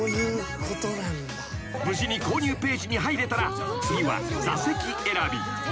［無事に購入ページに入れたら次は座席選び］